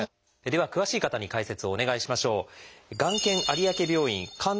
では詳しい方に解説をお願いしましょう。